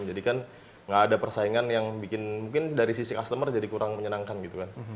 jadi kan nggak ada persaingan yang bikin mungkin dari sisi customer jadi kurang menyenangkan gitu kan